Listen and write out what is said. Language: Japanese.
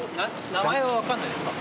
名前は分かんないですか？